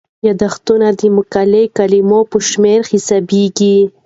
یادښتونه د مقالې د کلمو په شمیر کې حسابيږي.